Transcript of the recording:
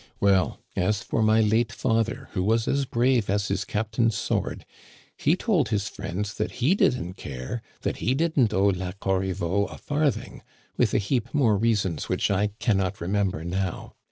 Well, as for my late father, who was as brave as his captain's sword, he told his friends that he didn't care — ^that he didn't owe La Corriveau a farthing— with a heap more reasons which I can not remember now.